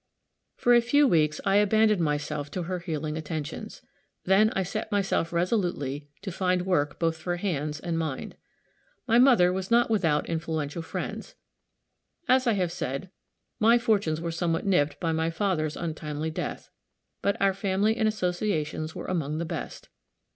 For a few weeks I abandoned myself to her healing attentions. Then I set myself resolutely to find work both for hands and mind. My mother was not without influential friends. As I have said, my fortunes were somewhat nipped by my father's untimely death, but our family and associations were among the best.